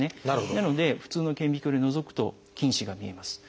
なので普通の顕微鏡でのぞくと菌糸が見えます。